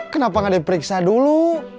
kenapa nggak diperiksa dulu